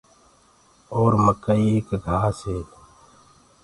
اور مڪآئي ايڪ گھآس هي۔